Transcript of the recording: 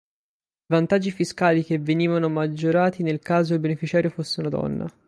Vantaggi fiscali che venivano maggiorati nel caso il beneficiario fosse una donna.